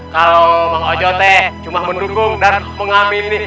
kalau mengajote cuma mendukung dan mengamini